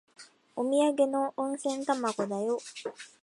おみやげの温泉卵だよ。